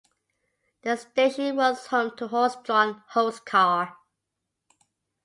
The station was home to horse drawn hose car.